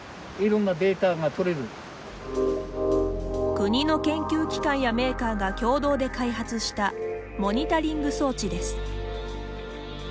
国の研究機関やメーカーが共同で開発したモニタリング装置です。